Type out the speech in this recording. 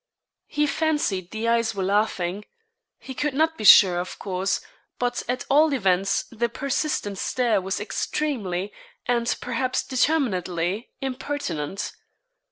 He fancied the eyes were laughing. He could not be sure, of course, but at all events the persistent stare was extremely, and perhaps determinedly, impertinent.